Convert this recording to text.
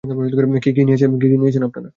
কী কী নিয়েছেন আপনারা?